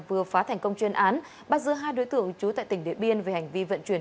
vừa phá thành công chuyên án bắt giữ hai đối tượng trú tại tỉnh điện biên về hành vi vận chuyển